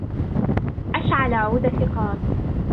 أشعل عود ثقاب.